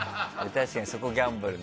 確かにそこギャンブル。